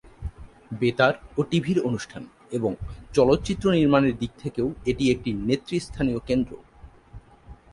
বেতার ও টিভির অনুষ্ঠান এবং চলচ্চিত্র নির্মাণের দিক থেকেও এটি একটি নেতৃস্থানীয় কেন্দ্র।